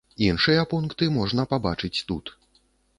Іншыя пункты можна пабачыць тут.